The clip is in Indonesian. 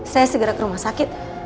saya segera ke rumah sakit